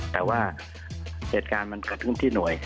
แต่ว่าเหตุการณ์มันเกิดขึ้นที่หน่วย